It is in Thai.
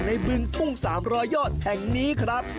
ในพื้นปุ้งสามรอยโยธแห่งนี้ครับ